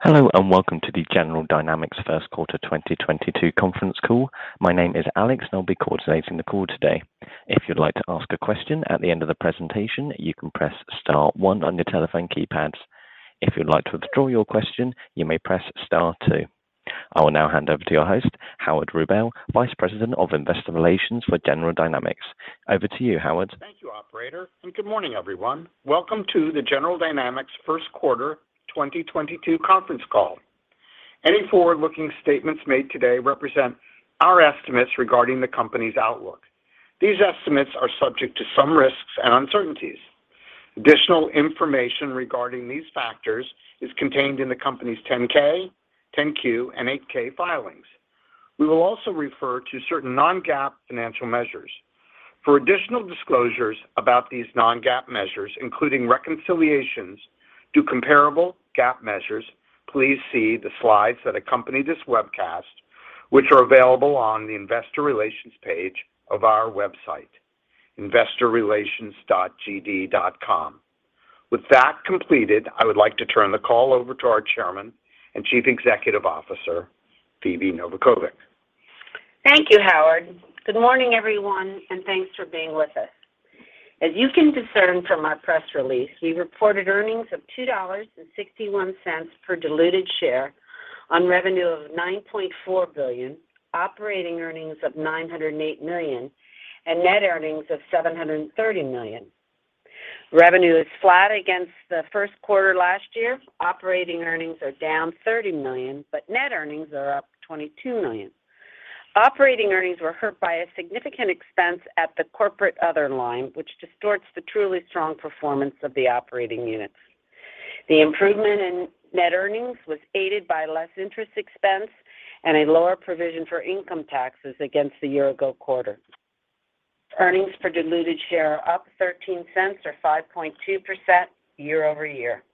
Hello, and welcome to the General Dynamics first quarter 2022 conference call. My name is Alex and I'll be coordinating the call today. If you'd like to ask a question at the end of the presentation, you can press star one on your telephone keypads. If you'd like to withdraw your question, you may press star two. I will now hand over to your host, Howard Rubel, Vice President of Investor Relations for General Dynamics. Over to you, Howard. Thank you, operator, and good morning, everyone. Welcome to the General Dynamics first quarter 2022 conference call. Any forward-looking statements made today represent our estimates regarding the company's outlook. These estimates are subject to some risks and uncertainties. Additional information regarding these factors is contained in the company's 10-K, 10-Q, and 8-K filings. We will also refer to certain non-GAAP financial measures. For additional disclosures about these non-GAAP measures, including reconciliations to comparable GAAP measures, please see the slides that accompany this webcast, which are available on the investor relations page of our website, investorrelations.gd.com. With that completed, I would like to turn the call over to our Chairman and Chief Executive Officer, Phebe Novakovic. Thank you, Howard. Good morning, everyone, and thanks for being with us. As you can discern from our press release, we reported earnings of $2.61 per diluted share on revenue of $9.4 billion, operating earnings of $908 million, and net earnings of $730 million. Revenue is flat against the first quarter last year. Operating earnings are down $30 million, but net earnings are up $22 million. Operating earnings were hurt by a significant expense at the corporate other line, which distorts the truly strong performance of the operating units. The improvement in net earnings was aided by less interest expense and a lower provision for income taxes against the year ago quarter. Earnings per diluted share are up $0.13 or 5.2% year-over-year.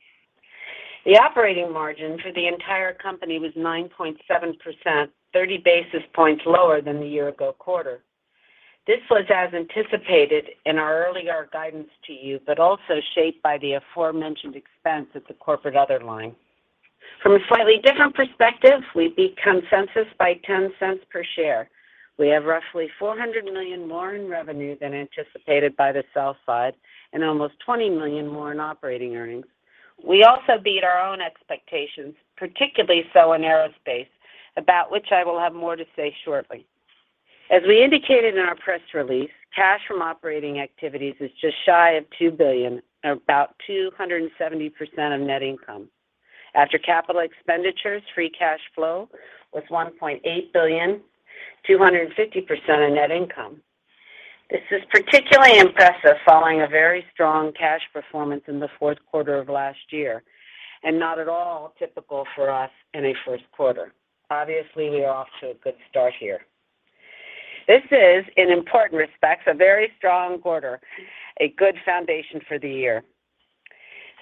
The operating margin for the entire company was 9.7%, 30 basis points lower than the year ago quarter. This was as anticipated in our earlier guidance to you, but also shaped by the aforementioned expense at the corporate other line. From a slightly different perspective, we beat consensus by $0.10 per share. We have roughly $400 million more in revenue than anticipated by the sell side and almost $20 million more in operating earnings. We also beat our own expectations, particularly so in aerospace, about which I will have more to say shortly. As we indicated in our press release, cash from operating activities is just shy of $2 billion or about 270% of net income. After capital expenditures, free cash flow was $1.8 billion, 250% of net income. This is particularly impressive following a very strong cash performance in the fourth quarter of last year, and not at all typical for us in a first quarter. Obviously, we are off to a good start here. This is, in important respects, a very strong quarter, a good foundation for the year.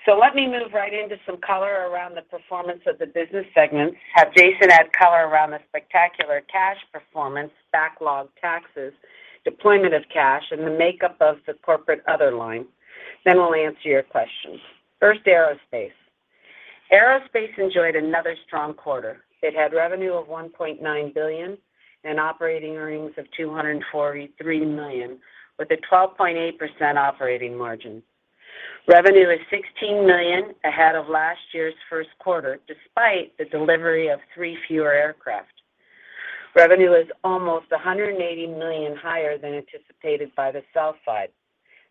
Let me move right into some color around the performance of the business segments, have Jason add color around the spectacular cash performance, backlog taxes, deployment of cash, and the makeup of the corporate other line. Then we'll answer your questions. First, aerospace. Aerospace enjoyed another strong quarter. It had revenue of $1.9 billion and operating earnings of $243 million with a 12.8% operating margin. Revenue is $16 million ahead of last year's first quarter, despite the delivery of three fewer aircraft. Revenue is almost $180 million higher than anticipated by the sell side.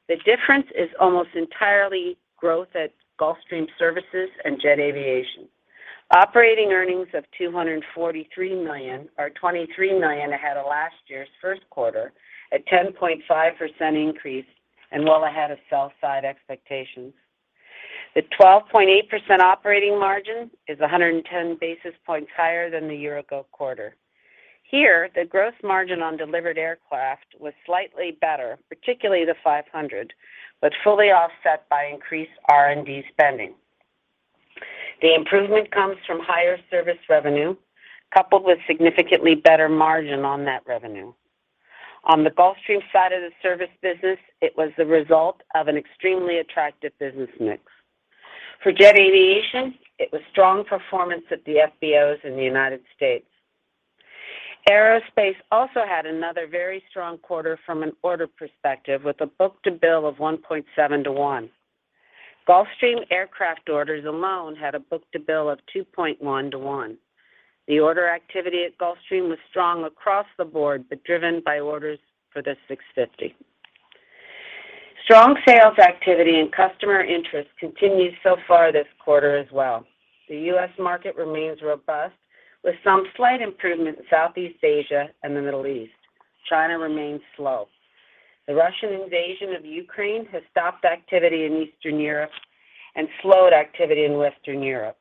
The difference is almost entirely growth at Gulfstream Services and Jet Aviation. Operating earnings of $243 million are $23 million ahead of last year's first quarter at 10.5% increase and well ahead of sell side expectations. The 12.8% operating margin is 110 basis points higher than the year ago quarter. Here, the gross margin on delivered aircraft was slightly better, particularly the G500, but fully offset by increased R&D spending. The improvement comes from higher service revenue coupled with significantly better margin on that revenue. On the Gulfstream side of the service business, it was the result of an extremely attractive business mix. For Jet Aviation, it was strong performance at the FBOs in the United States. Aerospace also had another very strong quarter from an order perspective with a book-to-bill of 1.7 to 1. Gulfstream aircraft orders alone had a book-to-bill of 2.1 to 1. The order activity at Gulfstream was strong across the board, but driven by orders for the G650. Strong sales activity and customer interest continues so far this quarter as well. The U.S. market remains robust with some slight improvement in Southeast Asia and the Middle East. China remains slow. The Russian invasion of Ukraine has stopped activity in Eastern Europe and slowed activity in Western Europe.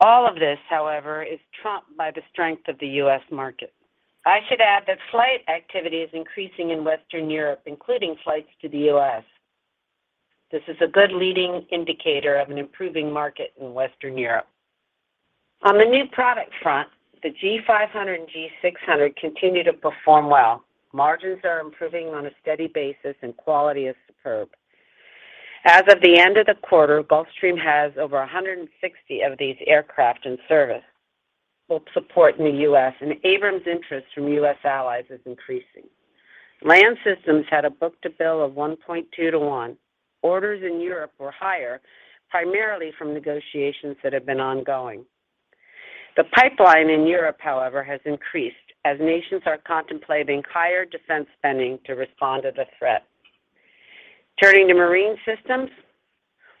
All of this, however, is trumped by the strength of the U.S. market. I should add that flight activity is increasing in Western Europe, including flights to the U.S. This is a good leading indicator of an improving market in Western Europe. On the new product front, the G500 and G600 continue to perform well. Margins are improving on a steady basis and quality is superb. As of the end of the quarter, Gulfstream has over 160 of these aircraft in service. While support in the U.S., and ABRAMS interest from U.S. allies is increasing. Land Systems had a book-to-bill of 1.2-to-1. Orders in Europe were higher, primarily from negotiations that have been ongoing. The pipeline in Europe, however, has increased as nations are contemplating higher defense spending to respond to the threat. Turning to Marine Systems.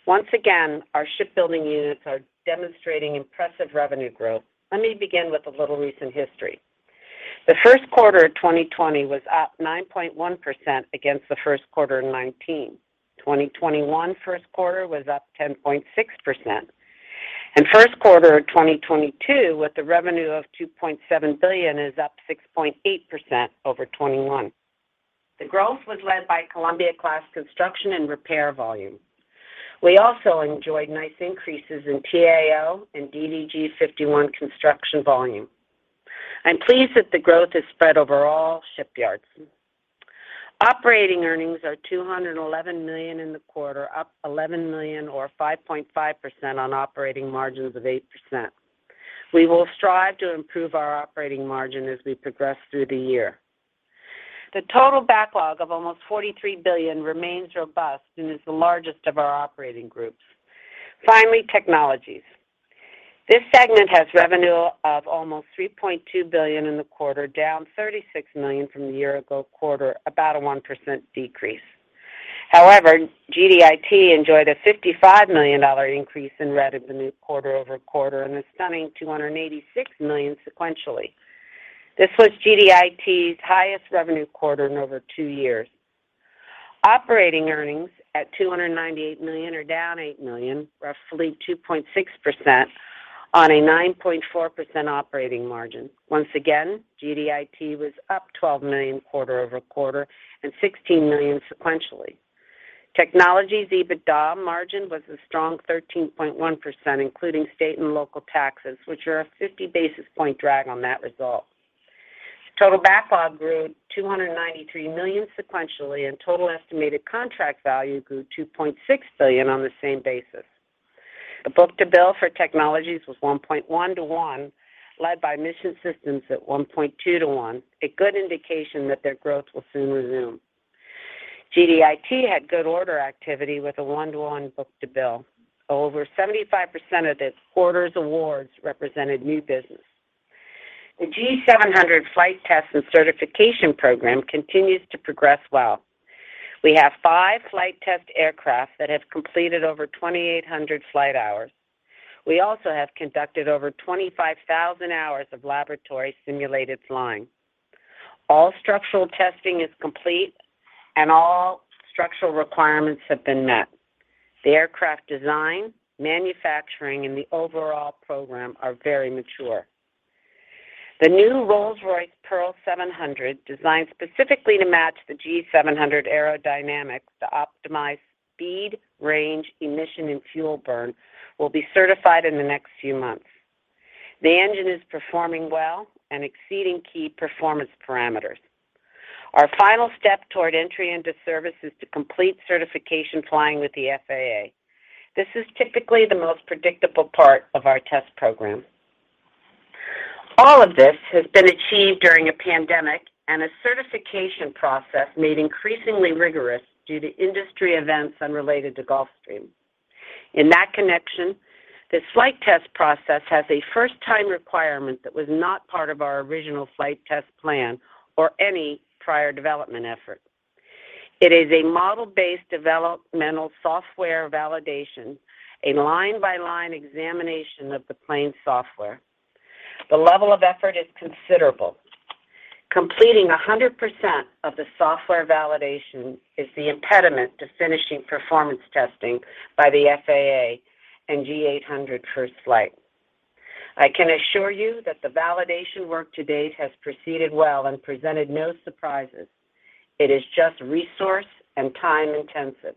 Once again, our shipbuilding units are demonstrating impressive revenue growth. Let me begin with a little recent history. The first quarter of 2020 was up 9.1% against the first quarter in 2019. Twenty twenty one first quarter was up 10.6%. First quarter of 2022, with the revenue of $2.7 billion, is up 6.8% over 2021. The growth was led by Columbia-class construction and repair volume. We also enjoyed nice increases in T-AO and DDG 51 construction volume. I'm pleased that the growth is spread over all shipyards. Operating earnings are $211 million in the quarter, up $11 million or 5.5% on operating margins of 8%. We will strive to improve our operating margin as we progress through the year. The total backlog of almost $43 billion remains robust and is the largest of our operating groups. Finally, technologies. This segment has revenue of almost $3.2 billion in the quarter, down $36 million from the year-ago quarter, about a 1% decrease. However, GDIT enjoyed a $55 million increase in revenue quarter-over-quarter and a stunning $286 million sequentially. This was GDIT's highest revenue quarter in over two years. Operating earnings at $298 million are down $8 million, roughly 2.6% on a 9.4% operating margin. Once again, GDIT was up $12 million quarter-over-quarter and $16 million sequentially. Technology's EBITDA margin was a strong 13.1%, including state and local taxes, which are a 50 basis point drag on that result. Total backlog grew $293 million sequentially, and total estimated contract value grew $2.6 billion on the same basis. The book-to-bill for technologies was 1.1 to 1, led by Mission Systems at 1.2 to 1, a good indication that their growth will soon resume. GDIT had good order activity with a 1-to-1 book-to-bill, over 75% of its quarter's awards represented new business. The G700 flight test and certification program continues to progress well. We have five flight test aircraft that have completed over 2,800 flight hours. We also have conducted over 25,000 hours of laboratory simulated flying. All structural testing is complete, and all structural requirements have been met. The aircraft design, manufacturing, and the overall program are very mature. The new Rolls-Royce Pearl 700, designed specifically to match the G700 aerodynamics to optimize speed, range, emission, and fuel burn, will be certified in the next few months. The engine is performing well and exceeding key performance parameters. Our final step toward entry into service is to complete certification flying with the FAA. This is typically the most predictable part of our test program. All of this has been achieved during a pandemic and a certification process made increasingly rigorous due to industry events unrelated to Gulfstream. In that connection, the flight test process has a first-time requirement that was not part of our original flight test plan or any prior development effort. It is a model-based developmental software validation, a line-by-line examination of the plane's software. The level of effort is considerable. Completing 100% of the software validation is the impediment to finishing performance testing by the FAA and G800 first flight. I can assure you that the validation work to date has proceeded well and presented no surprises. It is just resource and time-intensive.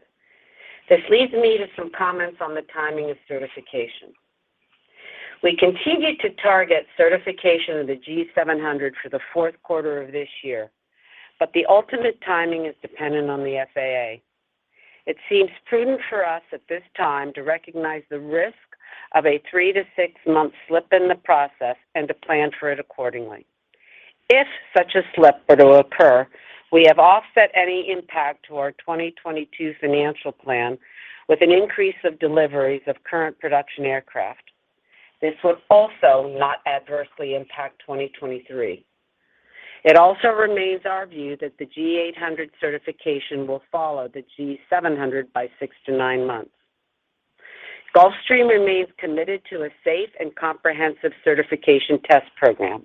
This leads me to some comments on the timing of certification. We continue to target certification of the G700 for the fourth quarter of this year, but the ultimate timing is dependent on the FAA. It seems prudent for us at this time to recognize the risk of a 3-month to 6-month slip in the process and to plan for it accordingly. If such a slip were to occur, we have offset any impact to our 2022 financial plan with an increase of deliveries of current production aircraft. This would also not adversely impact 2023. It also remains our view that the G800 certification will follow the G700 by 6 months-9 months. Gulfstream remains committed to a safe and comprehensive certification test program.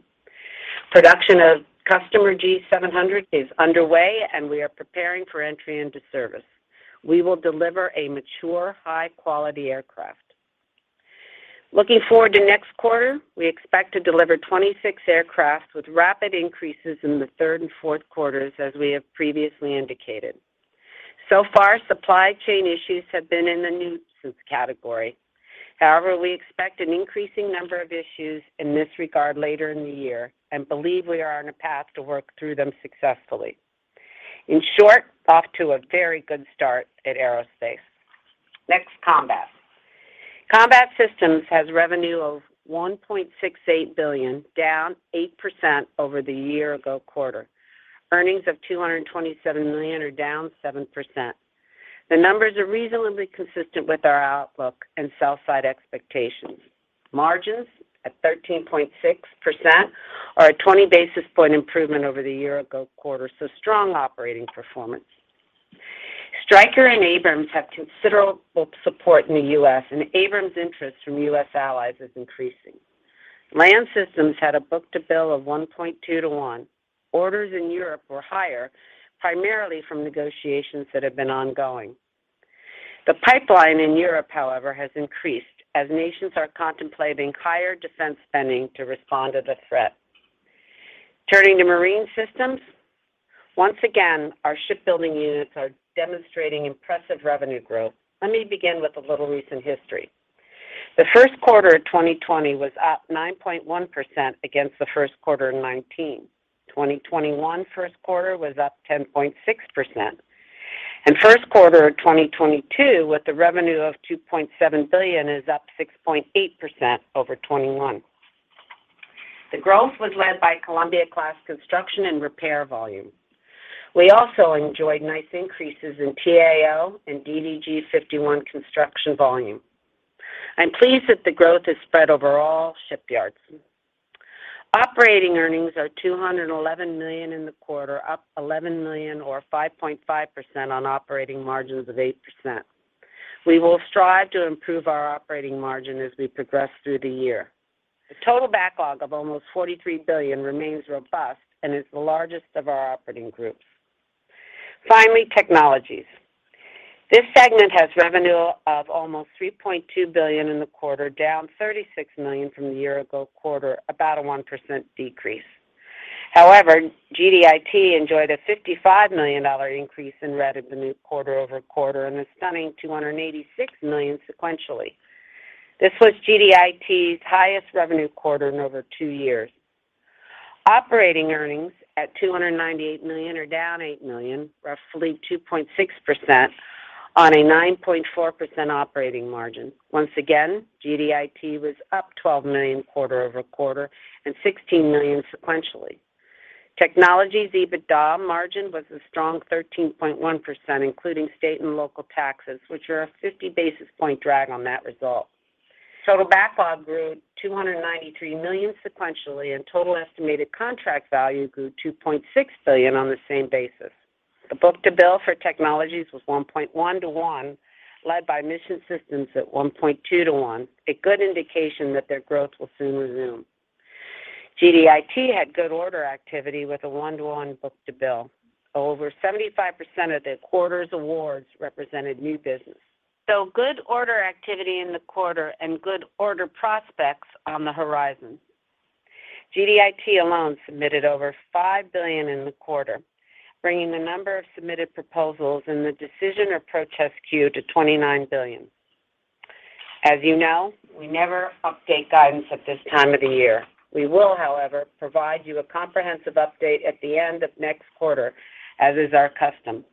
Production of customer G700 is underway, and we are preparing for entry into service. We will deliver a mature, high-quality aircraft. Looking forward to next quarter, we expect to deliver 26 aircraft with rapid increases in the third and fourth quarters, as we have previously indicated. So far, supply chain issues have been in the nuisance category. However, we expect an increasing number of issues in this regard later in the year and believe we are on a path to work through them successfully. In short, off to a very good start at Aerospace. Next, Combat. Combat Systems has revenue of $1.68 billion, down 8% over the year-ago quarter. Earnings of $227 million are down 7%. The numbers are reasonably consistent with our outlook and sell-side expectations. Margins at 13.6% are a 20 basis point improvement over the year-ago quarter. Strong operating performance. Stryker and Abrams have considerable support in the U.S., and Abrams interest from U.S. allies is increasing. Land Systems had a book-to-bill of 1.2 to 1. Orders in Europe were higher, primarily from negotiations that have been ongoing. The pipeline in Europe, however, has increased as nations are contemplating higher defense spending to respond to the threat. Turning to Marine Systems. Once again, our shipbuilding units are demonstrating impressive revenue growth. Let me begin with a little recent history. The first quarter of 2020 was up 9.1% against the first quarter in 2019. 2021 first quarter was up 10.6%. First quarter of 2022, with the revenue of $2.7 billion, is up 6.8% over 2021. The growth was led by Columbia-class construction and repair volume. We also enjoyed nice increases in T-AO and DDG 51 construction volume. I'm pleased that the growth is spread over all shipyards. Operating earnings are $211 million in the quarter, up $11 million or 5.5% on operating margins of 8%. We will strive to improve our operating margin as we progress through the year. The total backlog of almost $43 billion remains robust and is the largest of our operating groups. Finally, Technologies. This segment has revenue of almost $3.2 billion in the quarter, down $36 million from the year-ago quarter, about a 1% decrease. However, GDIT enjoyed a $55 million increase in revenue quarter-over-quarter and a stunning $286 million sequentially. This was GDIT's highest revenue quarter in over two years. Operating earnings at $298 million are down $8 million, roughly 2.6% on a 9.4% operating margin. Once again, GDIT was up $12 million quarter-over-quarter and $16 million sequentially. Technologies EBITDA margin was a strong 13.1%, including state and local taxes, which are a 50 basis point drag on that result. Total backlog grew $293 million sequentially, and total estimated contract value grew $2.6 billion on the same basis. The book-to-bill for technologies was 1.1-to-1, led by Mission Systems at 1.2-to-1, a good indication that their growth will soon resume. GDIT had good order activity with a 1-to-1 book-to-bill. Over 75% of the quarter's awards represented new business. Good order activity in the quarter and good order prospects on the horizon. GDIT alone submitted over $5 billion in the quarter, bringing the number of submitted proposals in the decision or protest queue to $29 billion. As you know, we never update guidance at this time of the year. We will, however, provide you a comprehensive update at the end of next quarter, as is our custom.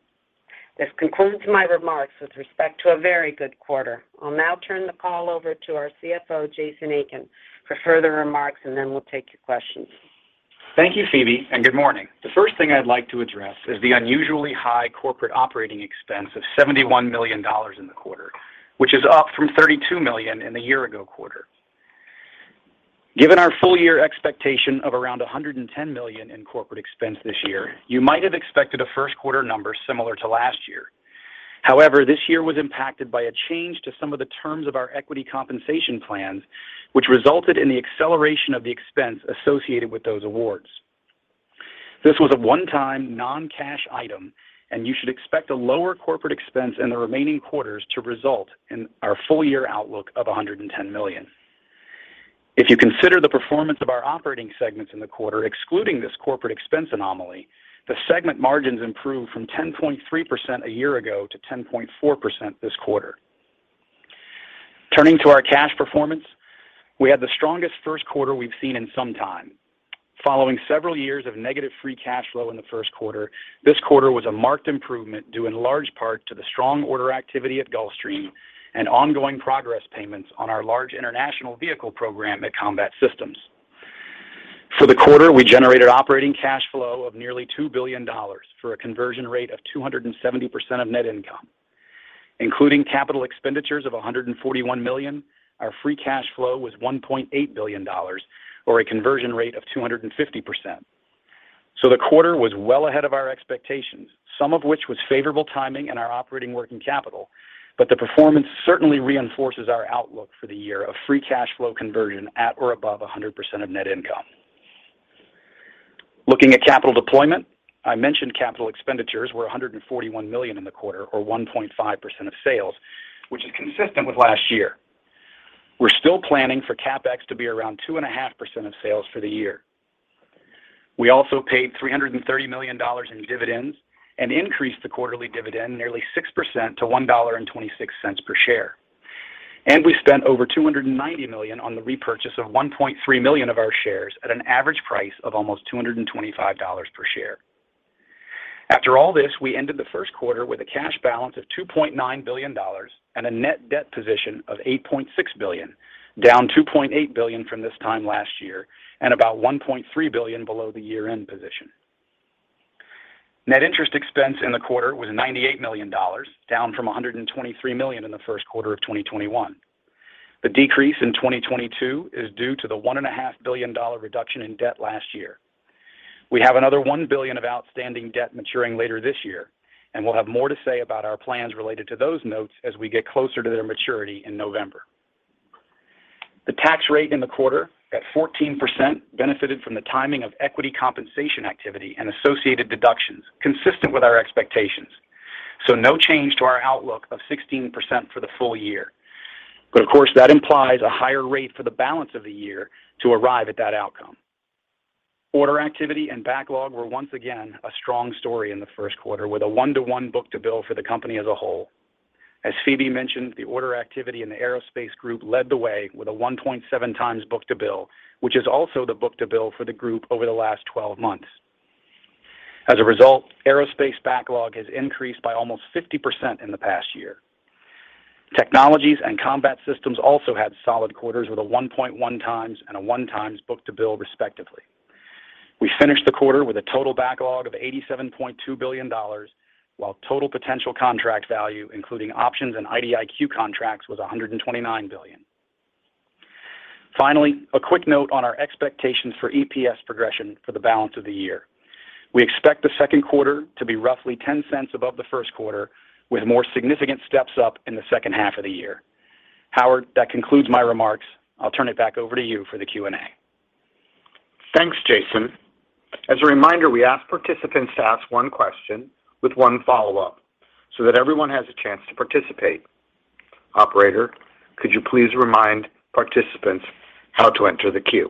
This concludes my remarks with respect to a very good quarter. I'll now turn the call over to our CFO, Jason Aiken, for further remarks, and then we'll take your questions. Thank you, Phebe, and good morning. The first thing I'd like to address is the unusually high corporate operating expense of $71 million in the quarter, which is up from $32 million in the year ago quarter. Given our full year expectation of around $110 million in corporate expense this year, you might have expected a first quarter number similar to last year. However, this year was impacted by a change to some of the terms of our equity compensation plans, which resulted in the acceleration of the expense associated with those awards. This was a one-time non-cash item, and you should expect a lower corporate expense in the remaining quarters to result in our full year outlook of $110 million. If you consider the performance of our operating segments in the quarter, excluding this corporate expense anomaly, the segment margins improved from 10.3% a year ago to 10.4% this quarter. Turning to our cash performance, we had the strongest first quarter we've seen in some time. Following several years of negative free cash flow in the first quarter, this quarter was a marked improvement due in large part to the strong order activity at Gulfstream and ongoing progress payments on our large international vehicle program at Combat Systems. For the quarter, we generated operating cash flow of nearly $2 billion for a conversion rate of 270% of net income. Including capital expenditures of $141 million, our free cash flow was $1.8 billion or a conversion rate of 250%. The quarter was well ahead of our expectations, some of which was favorable timing in our operating working capital. The performance certainly reinforces our outlook for the year of free cash flow conversion at or above 100% of net income. Looking at capital deployment, I mentioned capital expenditures were $141 million in the quarter or 1.5% of sales, which is consistent with last year. We're still planning for CapEx to be around 2.5% of sales for the year. We also paid $330 million in dividends and increased the quarterly dividend nearly 6% to $1.26 per share. We spent over $290 million on the repurchase of 1.3 million of our shares at an average price of almost $225 per share. After all this, we ended the first quarter with a cash balance of $2.9 billion and a net debt position of $8.6 billion, down $2.8 billion from this time last year and about $1.3 billion below the year-end position. Net interest expense in the quarter was $98 million, down from $123 million in the first quarter of 2021. The decrease in 2022 is due to the $1.5 billion reduction in debt last year. We have another $1 billion of outstanding debt maturing later this year, and we'll have more to say about our plans related to those notes as we get closer to their maturity in November. The tax rate in the quarter at 14% benefited from the timing of equity compensation activity and associated deductions consistent with our expectations. No change to our outlook of 16% for the full year. Of course, that implies a higher rate for the balance of the year to arrive at that outcome. Order activity and backlog were once again a strong story in the first quarter with a 1-to-1 book-to-bill for the company as a whole. As Phebe mentioned, the order activity in the aerospace group led the way with a 1.7x book-to-bill, which is also the book-to-bill for the group over the last 12 months. As a result, aerospace backlog has increased by almost 50% in the past year. Technologies and combat systems also had solid quarters with a 1.1x and a 1x book-to-bill, respectively. We finished the quarter with a total backlog of $87.2 billion, while total potential contract value, including options and IDIQ contracts, was $129 billion. Finally, a quick note on our expectations for EPS progression for the balance of the year. We expect the second quarter to be roughly $0.10 above the first quarter, with more significant steps up in the second half of the year. Howard, that concludes my remarks. I'll turn it back over to you for the Q&A. Thanks, Jason. As a reminder, we ask participants to ask one question with one follow-up so that everyone has a chance to participate. Operator, could you please remind participants how to enter the queue?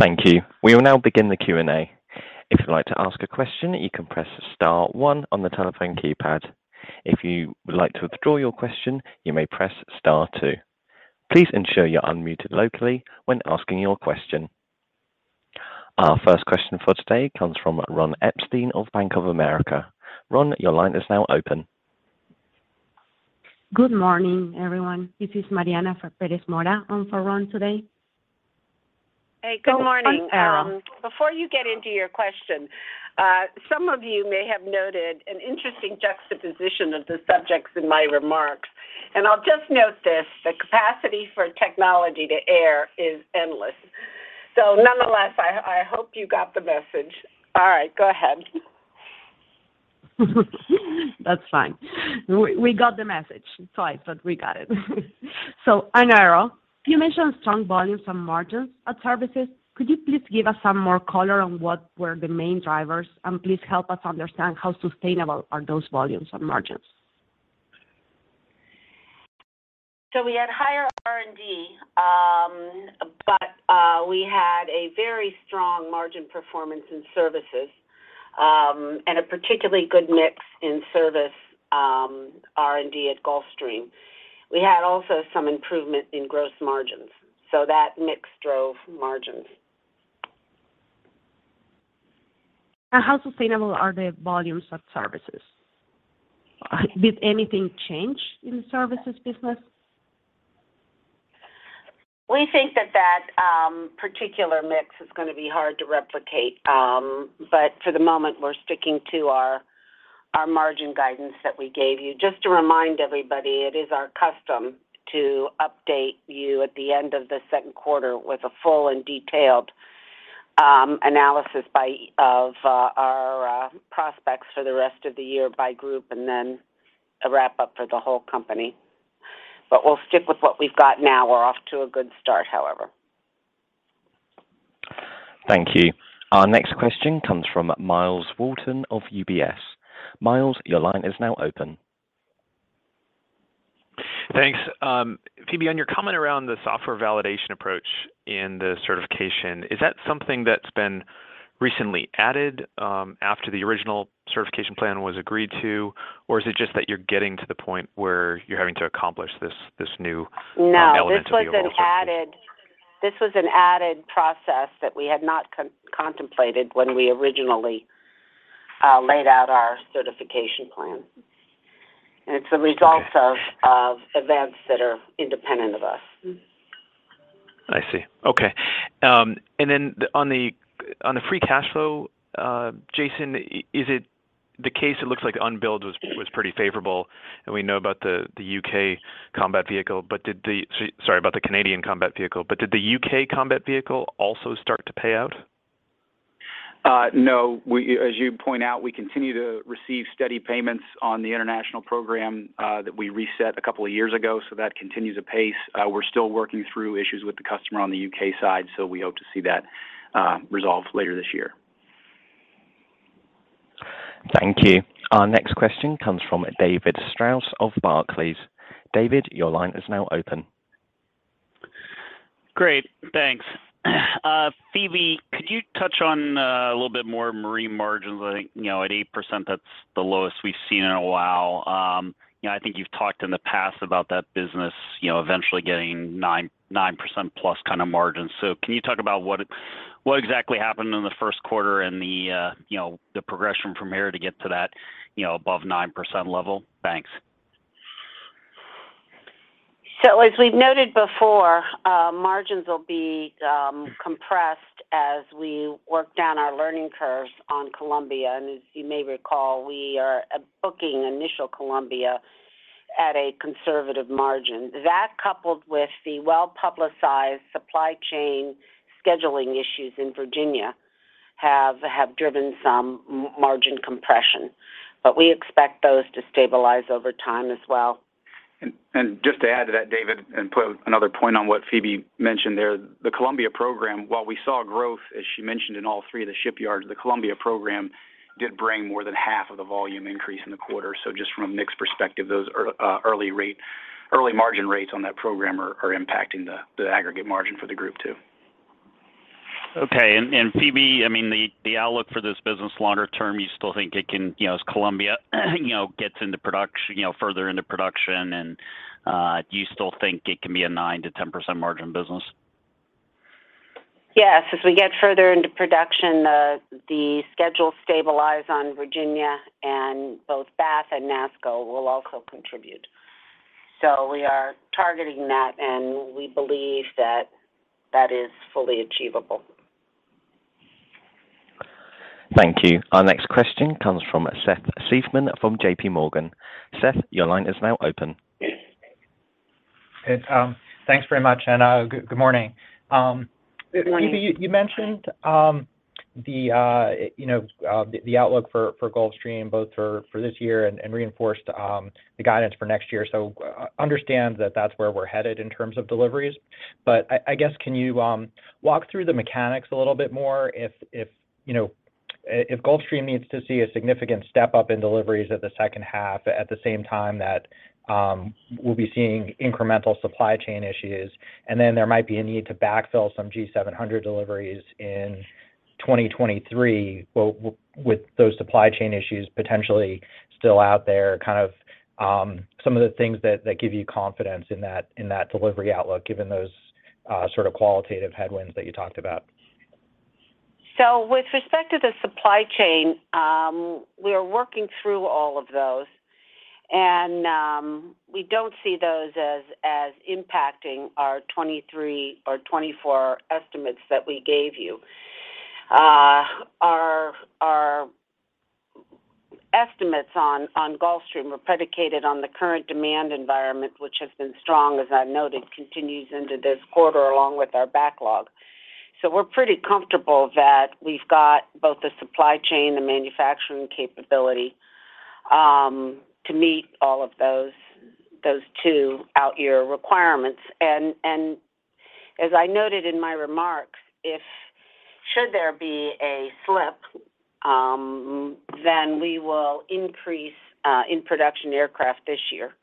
Thank you. We will now begin the Q&A. If you'd like to ask a question, you can press star one on the telephone keypad. If you would like to withdraw your question, you may press star two. Please ensure you're unmuted locally when asking your question. Our first question for today comes from Ron Epstein of Bank of America. Ron, your line is now open. Good morning, everyone. This is Mariana Perez Mora on for Ron today. Hey, good morning. Before you get into your question, some of you may have noted an interesting juxtaposition of the subjects in my remarks, and I'll just note this, the capacity for technology to err is endless. Nonetheless, I hope you got the message. All right, go ahead. That's fine. We got the message. It's fine. We got it. On Aero, you mentioned strong volumes and margins at services. Could you please give us some more color on what were the main drivers? Please help us understand how sustainable are those volumes and margins. We had higher R&D, but we had a very strong margin performance in services, and a particularly good mix in service R&D at Gulfstream. We had also some improvement in gross margins, so that mix drove margins. How sustainable are the volumes of services? Did anything change in the services business? We think that particular mix is gonna be hard to replicate, but for the moment, we're sticking to our margin guidance that we gave you. Just to remind everybody, it is our custom to update you at the end of the second quarter with a full and detailed analysis of our prospects for the rest of the year by group and then a wrap-up for the whole company. We'll stick with what we've got now. We're off to a good start, however. Thank you. Our next question comes from Myles Walton of UBS. Miles, your line is now open. Thanks. Phebe, on your comment around the software validation approach in the certification, is that something that's been recently added after the original certification plan was agreed to, or is it just that you're getting to the point where you're having to accomplish this new- No. ...an element of the overall certification? This was an added process that we had not contemplated when we originally laid out our certification plan. Okay. It's a result of events that are independent of us. I see. Okay. Then on the free cash flow, Jason, is it the case it looks like unbilled was pretty favorable, and we know about the U.K. combat vehicle, but— Sorry, about the Canadian combat vehicle, but did the U.K. combat vehicle also start to pay out? No. We, as you point out, we continue to receive steady payments on the international program that we reset a couple of years ago, so that continues apace. We're still working through issues with the customer on the U.K. side, so we hope to see that resolved later this year. Thank you. Our next question comes from David Strauss of Barclays. David, your line is now open. Great. Thanks. Phebe, could you touch on a little bit more Marine margins? I think, you know, at 8%, that's the lowest we've seen in a while. You know, I think you've talked in the past about that business, you know, eventually getting 9%+ kind of margins. Can you talk about what exactly happened in the first quarter and the, you know, the progression from here to get to that, you know, above 9% level? Thanks. As we've noted before, margins will be compressed as we work down our learning curves on Columbia. As you may recall, we are booking initial Columbia at a conservative margin. That coupled with the well-publicized supply chain scheduling issues in Virginia have driven some margin compression. We expect those to stabilize over time as well. Just to add to that, David, and put another point on what Phebe mentioned there, the Columbia program, while we saw growth, as she mentioned, in all three of the shipyards, the Columbia program did bring more than half of the volume increase in the quarter. Just from a mix perspective, those early margin rates on that program are impacting the aggregate margin for the group too. Okay. Phebe, I mean, the outlook for this business longer term, you still think it can. You know, as Columbia, you know, gets into production, you know, further into production, do you still think it can be a 9%-10% margin business? Yes. As we get further into production, the schedule stabilizes on Virginia and both Bath and NASSCO will also contribute. We are targeting that, and we believe that is fully achievable. Thank you. Our next question comes from Seth Seifman from JP Morgan. Seth, your line is now open. Okay, thanks very much. Good morning. Good morning. Phebe, you mentioned the outlook for Gulfstream, both for this year and reinforced the guidance for next year. Understand that that's where we're headed in terms of deliveries. I guess, can you walk through the mechanics a little bit more if, you know, if Gulfstream needs to see a significant step-up in deliveries at the second half at the same time that we'll be seeing incremental supply chain issues, and then there might be a need to backfill some G700 deliveries in 2023. With those supply chain issues potentially still out there, kind of, some of the things that give you confidence in that delivery outlook, given those sort of qualitative headwinds that you talked about. With respect to the supply chain, we are working through all of those. We don't see those as impacting our 2023 or 2024 estimates that we gave you. Our estimates on Gulfstream are predicated on the current demand environment, which has been strong, as I noted, continues into this quarter along with our backlog. We're pretty comfortable that we've got both the supply chain and manufacturing capability to meet all of those two out year requirements. As I noted in my remarks, if should there be a slip, then we will increase in production aircraft this year.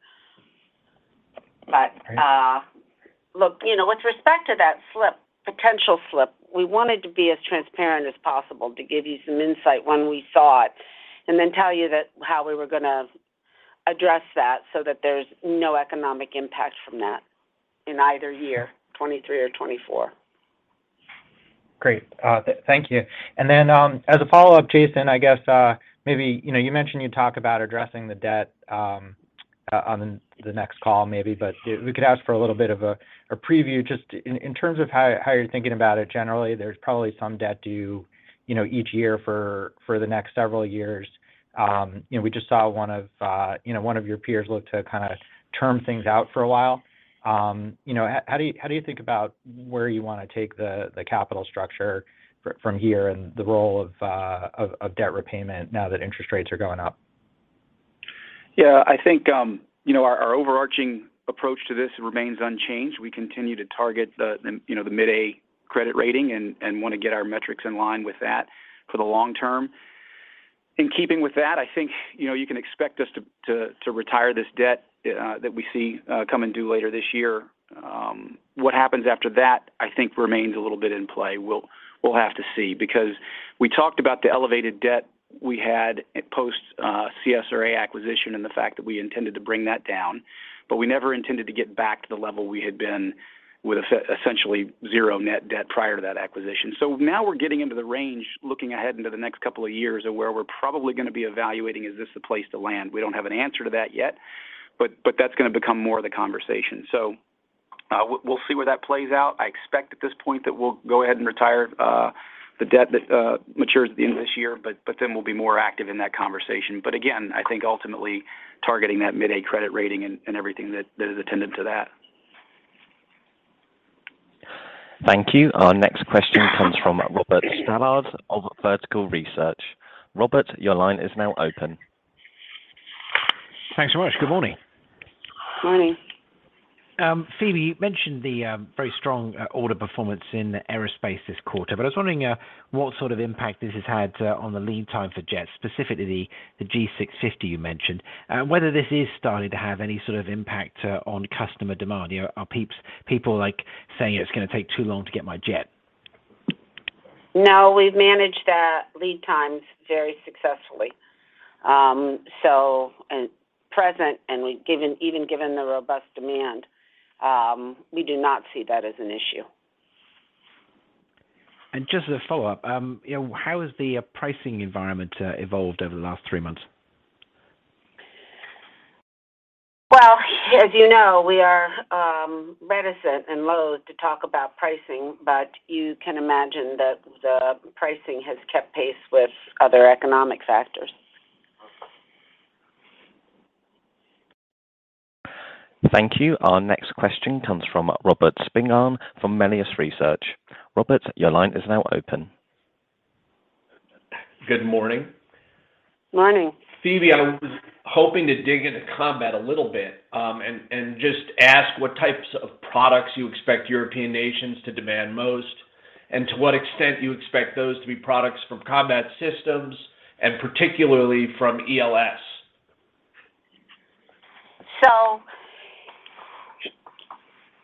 Look, you know, with respect to that slip, potential slip, we wanted to be as transparent as possible to give you some insight when we saw it and then tell you that how we were gonna address that so that there's no economic impact from that in either year, 2023 or 2024. Great. Thank you. As a follow-up, Jason, I guess, maybe, you know, you mentioned you'd talk about addressing the debt on the next call maybe, but if we could ask for a little bit of a preview just in terms of how you're thinking about it. Generally, there's probably some debt due, you know, each year for the next several years. You know, we just saw one of your peers look to kinda term things out for a while. You know, how do you think about where you wanna take the capital structure from here and the role of debt repayment now that interest rates are going up? Yeah. I think you know, our overarching approach to this remains unchanged. We continue to target the you know, the mid-A credit rating and wanna get our metrics in line with that for the long term. In keeping with that, I think you know, you can expect us to retire this debt that we see coming due later this year. What happens after that, I think remains a little bit in play. We'll have to see because we talked about the elevated debt we had post CSRA acquisition and the fact that we intended to bring that down, but we never intended to get back to the level we had been with essentially zero net debt prior to that acquisition. Now we're getting into the range, looking ahead into the next couple of years of where we're probably gonna be evaluating, is this the place to land? We don't have an answer to that yet, but that's gonna become more of the conversation. We'll see where that plays out. I expect at this point that we'll go ahead and retire the debt that matures at the end of this year, but then we'll be more active in that conversation. Again, I think ultimately targeting that mid-A credit rating and everything that is attendant to that. Thank you. Our next question comes from Robert Stallard of Vertical Research. Robert, your line is now open. Thanks so much. Good morning. Morning. Phebe, you mentioned the very strong order performance in aerospace this quarter. I was wondering what sort of impact this has had on the lead time for jets, specifically the G650 you mentioned, and whether this is starting to have any sort of impact on customer demand. You know, are people, like, saying, "It's gonna take too long to get my jet? No, we've managed the lead times very successfully. At present, given, even given the robust demand, we do not see that as an issue. Just as a follow-up, you know, how has the pricing environment evolved over the last three months? Well, as you know, we are reticent and loathe to talk about pricing. You can imagine that the pricing has kept pace with other economic factors. Thank you. Our next question comes from Robert Spingarn from Melius Research. Robert, your line is now open. Good morning. Morning. Phebe, I was hoping to dig into Combat a little bit, and just ask what types of products you expect European nations to demand most and to what extent you expect those to be products from Combat Systems, and particularly from ELS.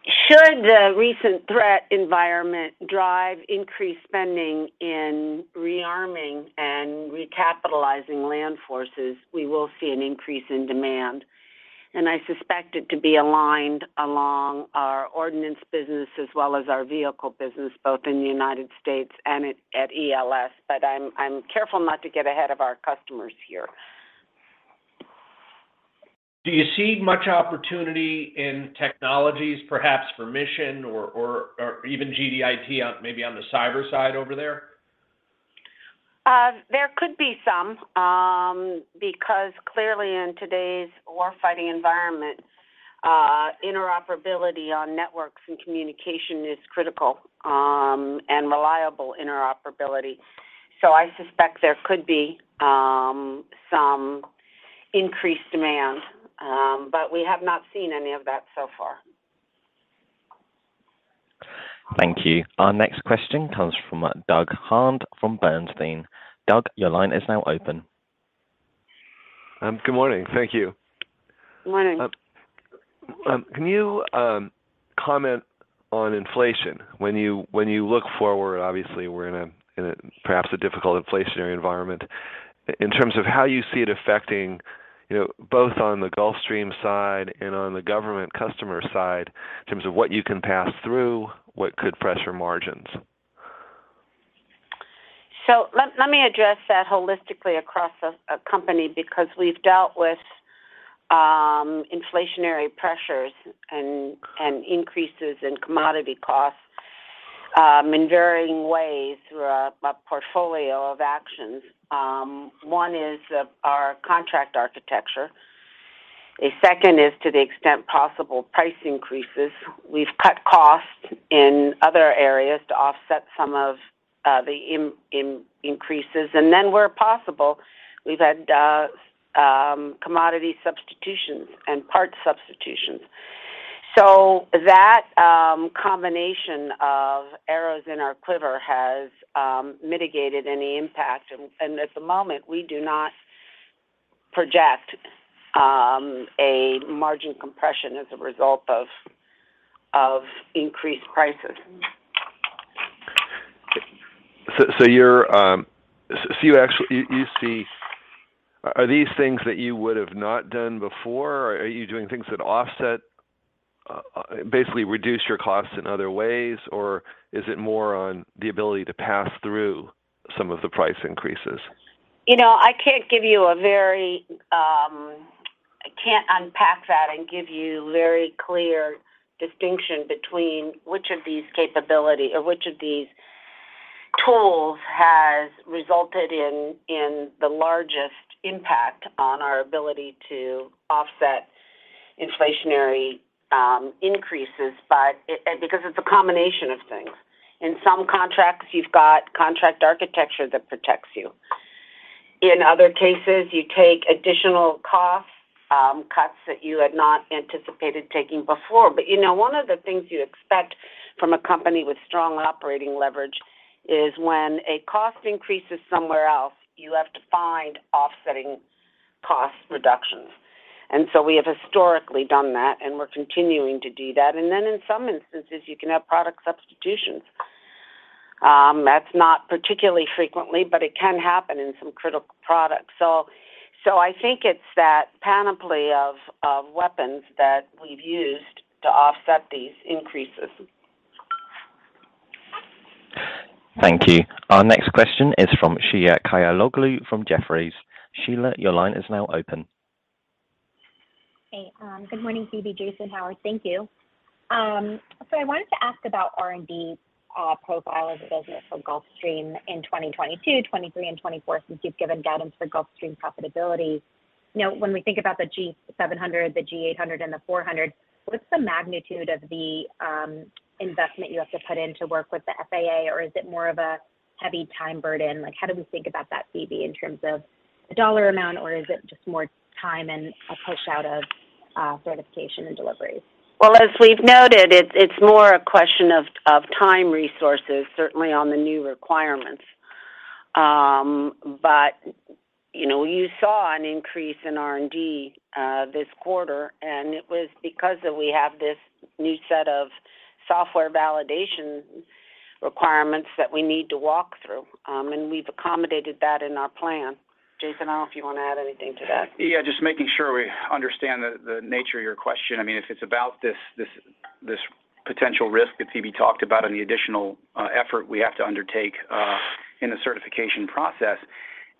Should the recent threat environment drive increased spending in rearming and recapitalizing land forces, we will see an increase in demand. I suspect it to be aligned along our ordnance business as well as our vehicle business, both in the United States and at ELS. I'm careful not to get ahead of our customers here. Do you see much opportunity in technologies, perhaps for mission or even GDIT, maybe on the cyber side over there? There could be some, because clearly in today's war-fighting environment, interoperability on networks and communication is critical, and reliable interoperability. I suspect there could be some increased demand. We have not seen any of that so far. Thank you. Our next question comes from Doug Harned from Bernstein. Doug, your line is now open. Good morning. Thank you. Morning. Can you comment on inflation? When you look forward, obviously we're in a perhaps difficult inflationary environment, in terms of how you see it affecting, you know, both on the Gulfstream side and on the government customer side in terms of what you can pass through, what could pressure margins. Let me address that holistically across a company, because we've dealt with inflationary pressures and increases in commodity costs in varying ways through a portfolio of actions. One is our contract architecture. A second is, to the extent possible, price increases. We've cut costs in other areas to offset some of the increases. Where possible, we've had commodity substitutions and part substitutions. That combination of arrows in our quiver has mitigated any impact. At the moment, we do not project a margin compression as a result of increased prices. Are these things that you would have not done before? Are you doing things that offset basically reduce your costs in other ways, or is it more on the ability to pass through some of the price increases? You know, I can't unpack that and give you very clear distinction between which of these capability or which of these tools has resulted in the largest impact on our ability to offset inflationary increases, but because it's a combination of things. In some contracts, you've got contract architecture that protects you. In other cases, you take additional cost cuts that you had not anticipated taking before. You know, one of the things you expect from a company with strong operating leverage is when a cost increases somewhere else, you have to find offsetting cost reductions. We have historically done that, and we're continuing to do that. In some instances, you can have product substitutions. That's not particularly frequently, but it can happen in some critical products. I think it's that panoply of weapons that we've used to offset these increases. Thank you. Our next question is from Sheila Kahyaoglu from Jefferies. Sheila, your line is now open. Hey. Good morning, Phebe, Jason, Howard. Thank you. I wanted to ask about R&D profile as a business for Gulfstream in 2022, 2023 and 2024, since you've given guidance for Gulfstream profitability. Now, when we think about the G700, the G800 and the G400, what's the magnitude of the investment you have to put in to work with the FAA? Or is it more of a heavy time burden? Like, how do we think about that, Phebe, in terms of a dollar amount, or is it just more time and a push out of certification and delivery? Well, as we've noted, it's more a question of time resources, certainly on the new requirements. You know, you saw an increase in R&D this quarter, and it was because that we have this new set of software validation requirements that we need to walk through. We've accommodated that in our plan. Jason, I don't know if you wanna add anything to that. Yeah, just making sure we understand the nature of your question. I mean, if it's about this potential risk that Phebe talked about and the additional effort we have to undertake in the certification process,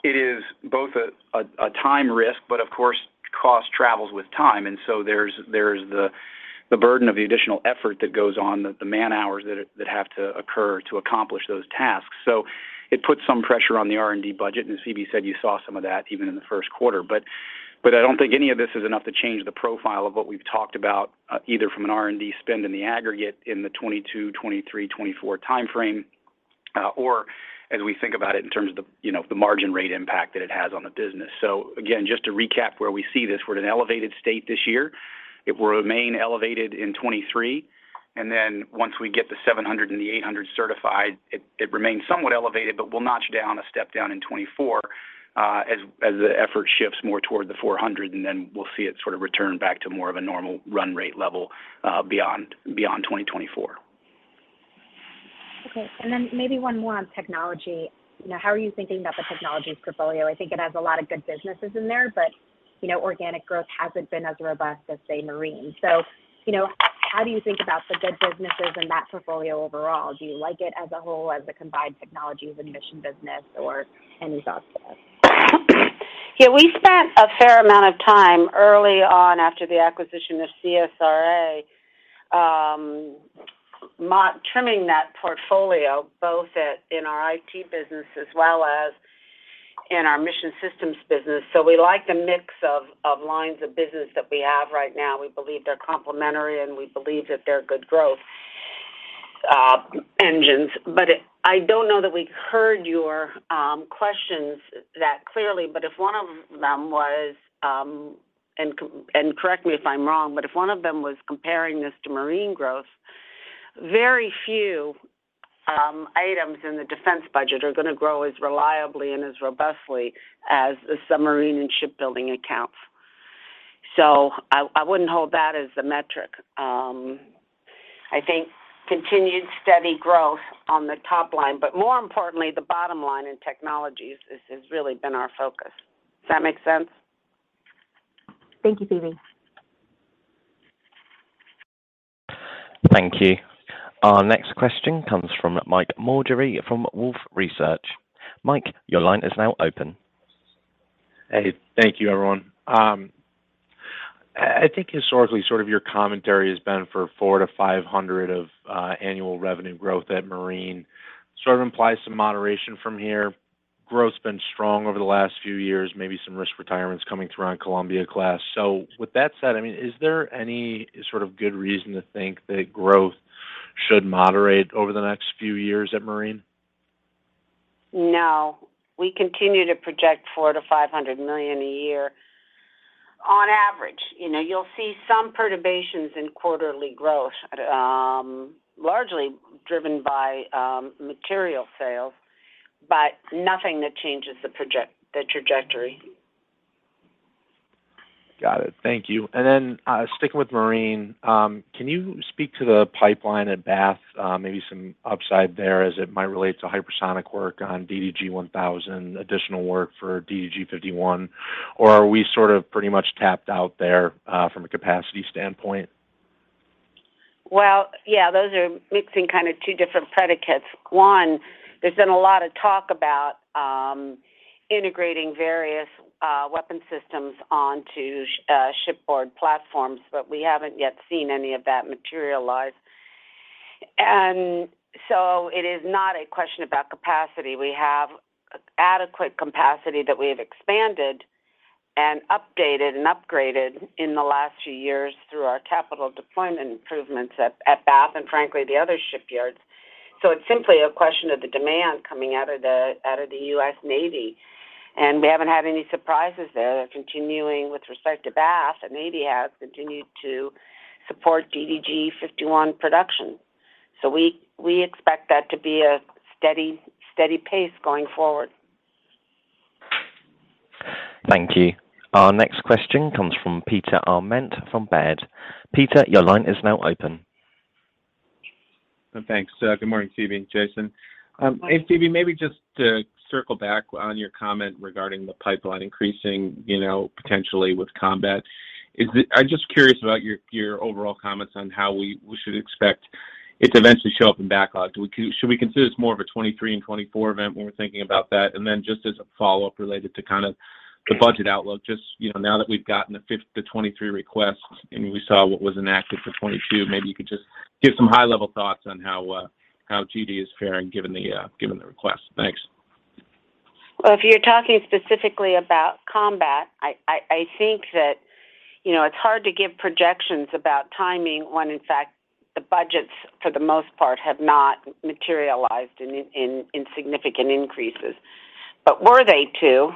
it is both a time risk, but of course, cost travels with time. There's the burden of the additional effort that goes on, the man-hours that have to occur to accomplish those tasks. It puts some pressure on the R&D budget, and as Phebe said, you saw some of that even in the first quarter. I don't think any of this is enough to change the profile of what we've talked about, either from an R&D spend in the aggregate in the 2022, 2023, 2024 timeframe, or as we think about it in terms of the, you know, the margin rate impact that it has on the business. Again, just to recap where we see this, we're at an elevated state this year. It will remain elevated in 2023. Once we get the G700 and the G800 certified, it remains somewhat elevated, but we'll notch down a step down in 2024, as the effort shifts more toward the G400, and then we'll see it sort of return back to more of a normal run rate level, beyond 2024. Okay. Maybe one more on technology. You know, how are you thinking about the technologies portfolio? I think it has a lot of good businesses in there, but, you know, organic growth hasn't been as robust as, say, marine. You know, how do you think about the good businesses in that portfolio overall? Do you like it as a whole as a combined technologies and mission business or any thoughts there? Yeah. We spent a fair amount of time early on after the acquisition of CSRA, trimming that portfolio, both in our IT business as well as in our Mission Systems business. We like the mix of lines of business that we have right now. We believe they're complementary, and we believe that they're good growth engines. I don't know that we heard your questions that clearly, but if one of them was, and correct me if I'm wrong, but if one of them was comparing this to Marine growth, very few items in the defense budget are gonna grow as reliably and as robustly as the submarine and shipbuilding accounts. I wouldn't hold that as the metric. I think continued steady growth on the top line, but more importantly, the bottom line in technologies has really been our focus. Does that make sense? Thank you, Phebe. Thank you. Our next question comes from Mike Maugeri from Wolfe Research. Mike, your line is now open. Hey, thank you, everyone. I think historically, sort of your commentary has been for 4%-5% annual revenue growth at Marine, sort of implies some moderation from here. Growth's been strong over the last few years, maybe some risk retirements coming through on Columbia-class. With that said, I mean, is there any sort of good reason to think that growth should moderate over the next few years at Marine? No. We continue to project $400 million-$500 million a year on average. You know, you'll see some perturbations in quarterly growth, largely driven by material sales, but nothing that changes the trajectory. Got it. Thank you. Sticking with Marine, can you speak to the pipeline at Bath, maybe some upside there as it might relate to hypersonic work on DDG 1000, additional work for DDG 51, or are we sort of pretty much tapped out there, from a capacity standpoint? Well, yeah, those are mixing kind of two different predicates. One, there's been a lot of talk about integrating various weapon systems onto shipboard platforms, but we haven't yet seen any of that materialize. It is not a question about capacity. We have adequate capacity that we have expanded and updated and upgraded in the last few years through our capital deployment improvements at Bath and frankly, the other shipyards. It's simply a question of the demand coming out of the U.S. Navy. We haven't had any surprises there. Continuing with respect to Bath, the Navy has continued to support DDG 51 production. We expect that to be a steady pace going forward. Thank you. Our next question comes from Peter Arment from Baird. Peter, your line is now open. Thanks. Good morning, Phebe and Jason. Hi. Hey, Phebe, maybe just to circle back on your comment regarding the pipeline increasing, you know, potentially with combat. I'm just curious about your overall comments on how we should expect it to eventually show up in backlog. Should we consider this more of a 2023 and 2024 event when we're thinking about that? Then just as a follow-up related to kind of the budget outlook, you know, now that we've gotten the 2023 request, and we saw what was enacted for 2022, maybe you could just give some high-level thoughts on how. How GD is faring, given the request. Thanks. Well, if you're talking specifically about combat, I think that, you know, it's hard to give projections about timing when in fact the budgets for the most part have not materialized in significant increases. But were they to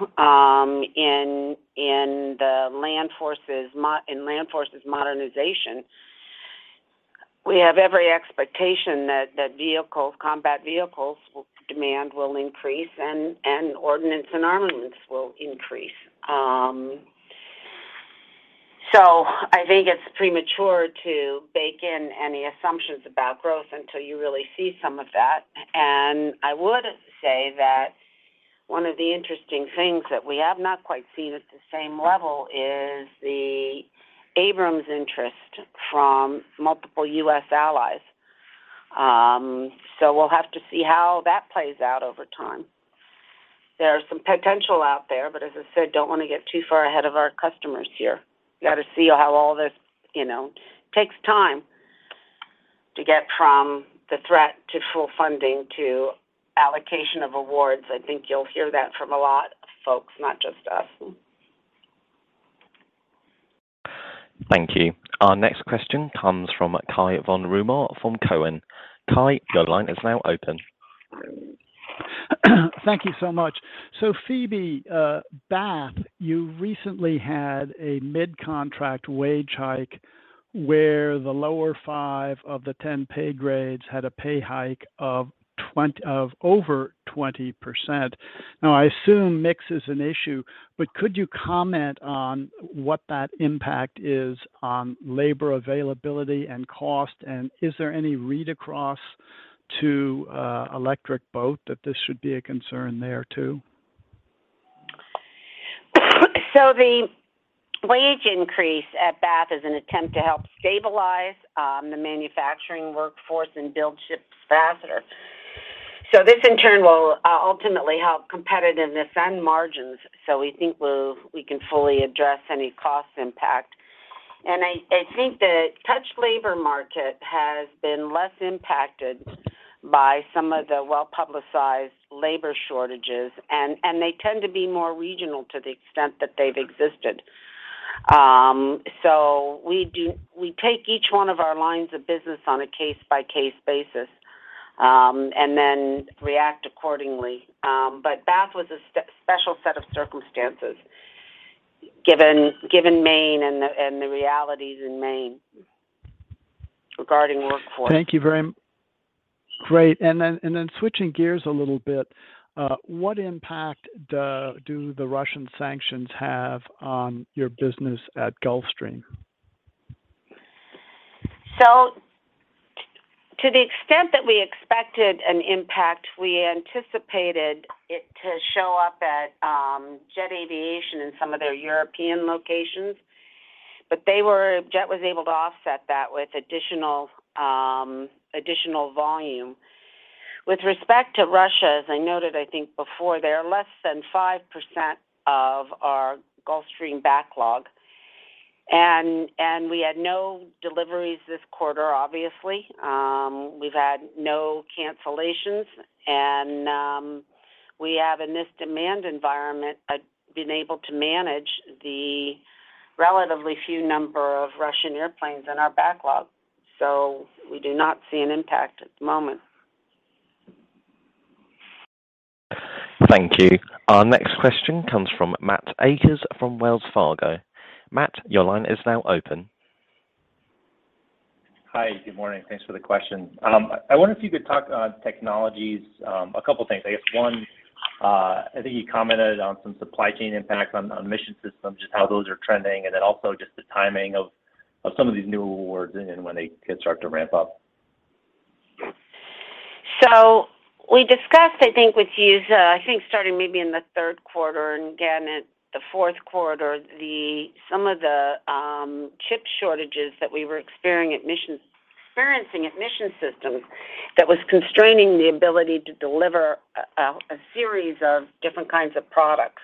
in the land forces modernization, we have every expectation that vehicle, combat vehicles demand will increase and ordinance and armaments will increase. So I think it's premature to bake in any assumptions about growth until you really see some of that. I would say that one of the interesting things that we have not quite seen at the same level is the Abrams interest from multiple U.S. allies. So we'll have to see how that plays out over time. There's some potential out there, but as I said, don't wanna get too far ahead of our customers here. You gotta see how all this, you know, takes time to get from the threat to full funding, to allocation of awards. I think you'll hear that from a lot of folks, not just us. Thank you. Our next question comes from Cai von Rumohr from Cowen. Cai, your line is now open. Thank you so much. Phebe, Bath, you recently had a mid-contract wage hike where the lower 5 of the 10 pay grades had a pay hike of over 20%. Now I assume mix is an issue, but could you comment on what that impact is on labor availability and cost, and is there any read across to Electric Boat that this should be a concern there too? The wage increase at Bath is an attempt to help stabilize the manufacturing workforce and build ships faster. This in turn will ultimately help competitiveness and margins. We think we can fully address any cost impact. I think the touch labor market has been less impacted by some of the well-publicized labor shortages and they tend to be more regional to the extent that they've existed. We take each one of our lines of business on a case by case basis and then react accordingly. But Bath was a special set of circumstances given Maine and the realities in Maine regarding workforce. Thank you. Great. Switching gears a little bit, what impact do the Russian sanctions have on your business at Gulfstream? To the extent that we expected an impact, we anticipated it to show up at Jet Aviation in some of their European locations. Jet was able to offset that with additional volume. With respect to Russia, as I noted, I think before, they are less than 5% of our Gulfstream backlog. We had no deliveries this quarter, obviously. We've had no cancellations and we have in this demand environment been able to manage the relatively few number of Russian airplanes in our backlog. We do not see an impact at the moment. Thank you. Our next question comes from Matt Akers from Wells Fargo. Matt, your line is now open. Hi. Good morning. Thanks for the questions. I wonder if you could talk on technologies, a couple things. I guess one, I think you commented on some supply chain impacts on Mission Systems, just how those are trending, and then also just the timing of some of these new awards and when they can start to ramp up? We discussed, I think with you, I think starting maybe in the third quarter and again at the fourth quarter, some of the chip shortages that we were experiencing at Mission Systems that was constraining the ability to deliver a series of different kinds of products.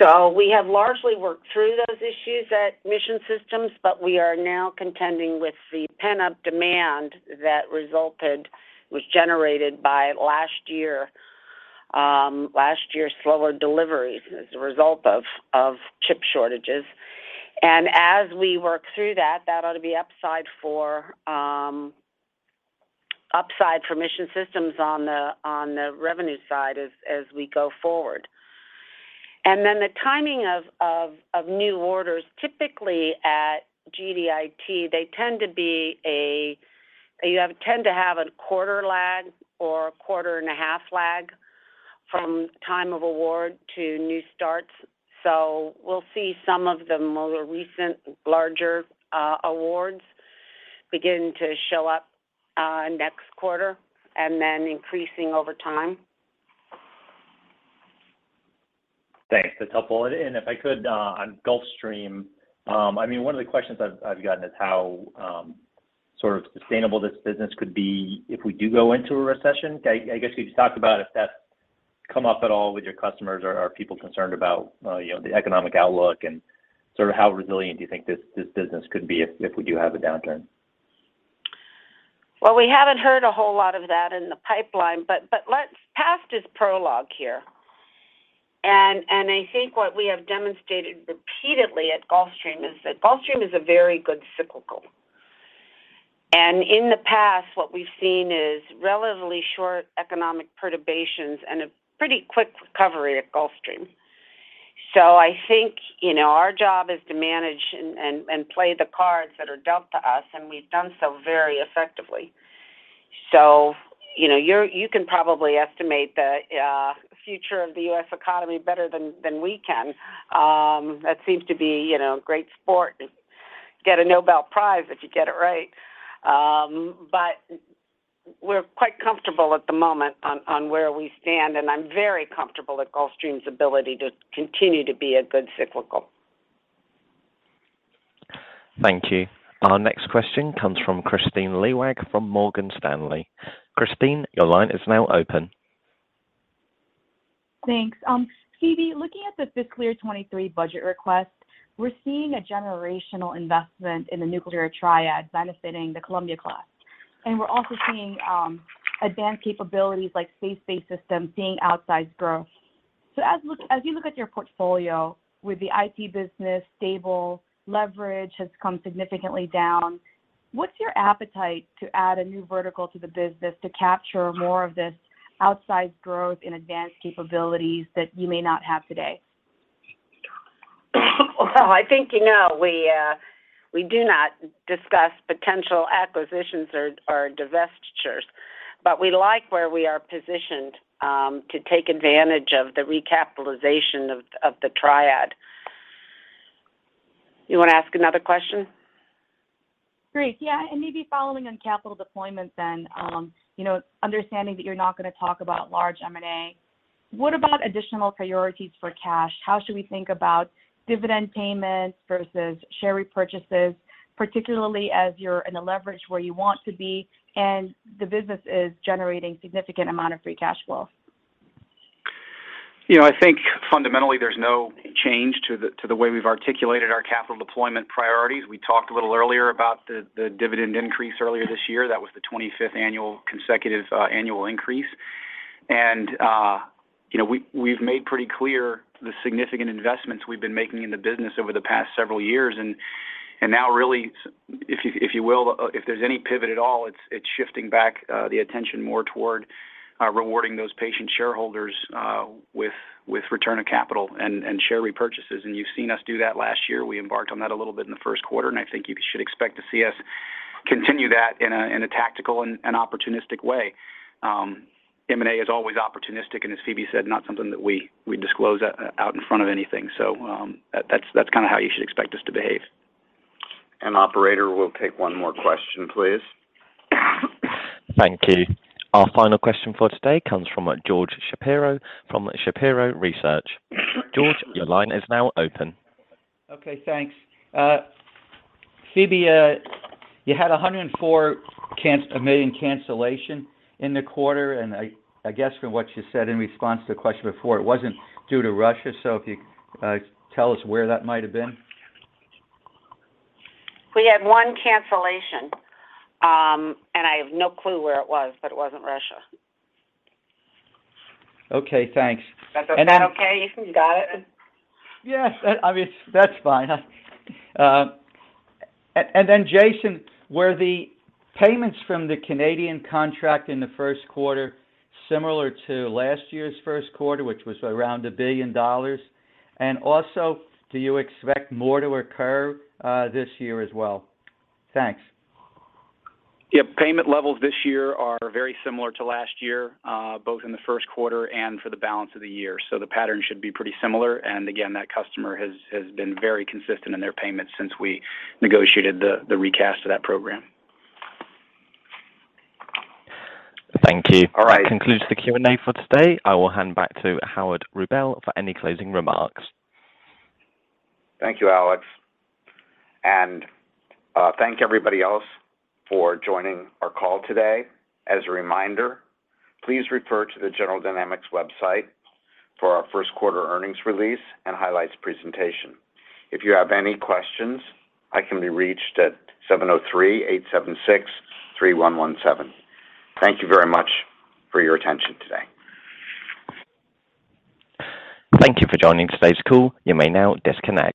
We have largely worked through those issues at Mission Systems, but we are now contending with the pent-up demand that resulted, was generated by last year, last year's slower deliveries as a result of chip shortages. As we work through that ought to be upside for Mission Systems on the revenue side as we go forward. The timing of new orders, typically at GDIT, they tend to have a quarter lag or a quarter and a half lag from time of award to new starts. We'll see some of the more recent larger awards begin to show up next quarter and then increasing over time. Thanks. That's helpful. If I could, on Gulfstream, I mean, one of the questions I've gotten is how sort of sustainable this business could be if we do go into a recession. I guess could you talk about if that's come up at all with your customers or are people concerned about, you know, the economic outlook and sort of how resilient do you think this business could be if we do have a downturn? Well, we haven't heard a whole lot of that in the pipeline, but past is prologue here. I think what we have demonstrated repeatedly at Gulfstream is that Gulfstream is a very good cyclical. In the past, what we've seen is relatively short economic perturbations and a pretty quick recovery at Gulfstream. I think, you know, our job is to manage and play the cards that are dealt to us, and we've done so very effectively. You know, you can probably estimate the future of the U.S. economy better than we can. That seems to be, you know, a great sport. Get a Nobel Prize if you get it right. We're quite comfortable at the moment on where we stand, and I'm very comfortable at Gulfstream's ability to continue to be a good cyclical. Thank you. Our next question comes from Kristine Liwag from Morgan Stanley. Kristine, your line is now open. Thanks. Phebe, looking at the fiscal year 2023 budget request, we're seeing a generational investment in the nuclear triad benefiting the Columbia-class. We're also seeing advanced capabilities like space-based systems seeing outsized growth. As you look at your portfolio with the IT business stable, leverage has come significantly down, what's your appetite to add a new vertical to the business to capture more of this outsized growth in advanced capabilities that you may not have today? Well, I think you know we do not discuss potential acquisitions or divestitures, but we like where we are positioned to take advantage of the recapitalization of the triad. You wanna ask another question? Great. Yeah, maybe following on capital deployment then, you know, understanding that you're not gonna talk about large M&A, what about additional priorities for cash? How should we think about dividend payments versus share repurchases, particularly as you're in a leverage where you want to be and the business is generating significant amount of free cash flow? You know, I think fundamentally there's no change to the way we've articulated our capital deployment priorities. We talked a little earlier about the dividend increase earlier this year. That was the 25th consecutive annual increase. You know, we've made pretty clear the significant investments we've been making in the business over the past several years. Now really, if you will, if there's any pivot at all, it's shifting back the attention more toward rewarding those patient shareholders with return of capital and share repurchases. You've seen us do that last year. We embarked on that a little bit in the first quarter, and I think you should expect to see us continue that in a tactical and opportunistic way. M&A is always opportunistic and, as Phebe said, not something that we disclose out in front of anything. That's kinda how you should expect us to behave. Operator, we'll take one more question, please. Thank you. Our final question for today comes from George Shapiro from Shapiro Research. George, your line is now open. Okay, thanks. Phebe, you had $104 million cancellation in the quarter, and I guess from what you said in response to the question before, it wasn't due to Russia. If you could tell us where that might have been. We had one cancellation, and I have no clue where it was, but it wasn't Russia. Okay, thanks. That okay? You got it? Yes. I mean, that's fine. Jason, were the payments from the Canadian contract in the first quarter similar to last year's first quarter, which was around $1 billion? Also, do you expect more to occur this year as well? Thanks. Yeah, payment levels this year are very similar to last year, both in the first quarter and for the balance of the year. The pattern should be pretty similar. Again, that customer has been very consistent in their payments since we negotiated the recast of that program. Thank you. All right. That concludes the Q&A for today. I will hand back to Howard Rubel for any closing remarks. Thank you, Alex. Thank everybody else for joining our call today. As a reminder, please refer to the General Dynamics website for our first quarter earnings release and highlights presentation. If you have any questions, I can be reached at 703-876-3117. Thank you very much for your attention today. Thank you for joining today's call. You may now disconnect.